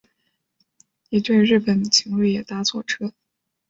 一对日本情侣也搭错车